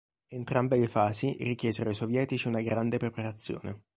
Entrambe le fasi richiesero ai sovietici una grande preparazione.